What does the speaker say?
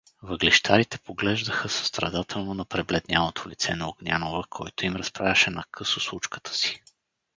Въглищарите поглеждаха състрадателно на пребледнялото лице на Огнянова, който им разправяше накъсо случката си.